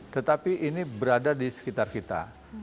tetapi ini berada di sekitar kita